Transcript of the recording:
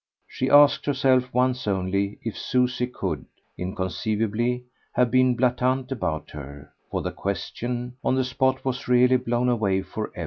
She asked herself once only if Susie could, inconceivably, have been blatant about her; for the question, on the spot, was really blown away for ever.